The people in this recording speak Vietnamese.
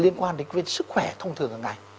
liên quan đến cái sức khỏe thông thường ngày